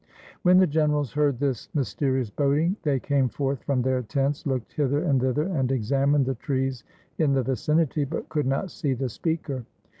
When the generals heard this mysterious boding, they came forth from their tents, looked hither and thither and examined the trees in the vicinity, but could not see the speaker.